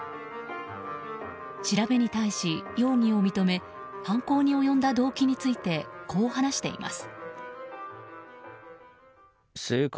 調べに対し容疑を認め犯行に及んだ動機についてこう話しています。